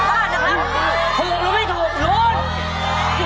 ถูกหรือไม่ถูกลุ้น